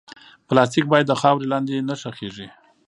پلاستيک باید د خاورې لاندې نه ښخېږي.